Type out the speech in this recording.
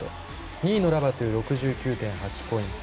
２位のラバトゥが６９．８ポイント。